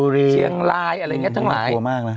ที่เชียงล้าย